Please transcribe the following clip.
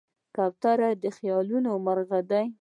کوتره د خیالونو مرغه ده.